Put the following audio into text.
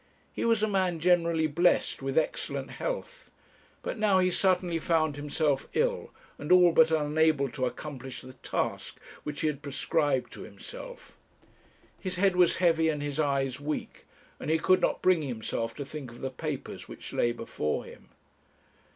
He was a man generally blessed with excellent health; but now he suddenly found himself ill, and all but unable to accomplish the task which he had prescribed to himself. His head was heavy and his eyes weak, and he could not bring himself to think of the papers which lay before him.